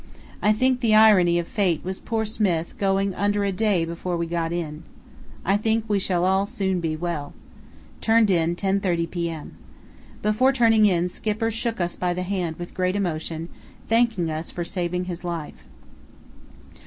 I think the irony of fate was poor Smith going under a day before we got in. I think we shall all soon be well. Turned in 10.30 p.m. Before turning in Skipper shook us by the hand with great emotion, thanking us for saving his life."